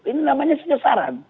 ini namanya saja saran